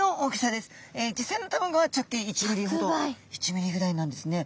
実際の卵は直径１ｍｍほど１ｍｍぐらいなんですね。